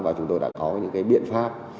và chúng tôi đã có những biện pháp